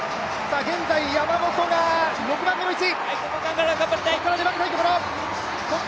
現在山本が６番目の位置。